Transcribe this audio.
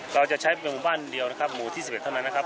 เราจะใช้เป็นหมู่บ้านเดียวนะครับหมู่ที่๑๑เท่านั้นนะครับ